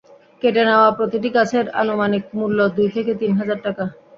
কেটে নেওয়া প্রতিটি গাছের আনুমানিক মূল্য দুই থেকে তিন হাজার টাকা।